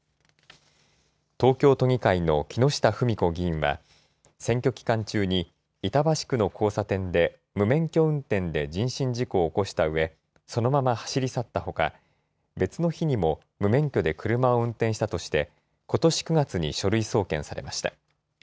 東京都議会の木下富美子議員は、選挙期間中に、板橋区の交差点で、無免許運転で人身事故を起こしたうえ、そのまま走り去ったほか、別の日にも無免許で車を運転したとして、ことし９月に書類送検されました。